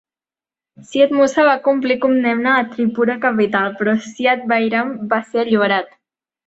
Syed Musa va complir condemna a Tripura capital, però Syed Bairam va ser alliberat.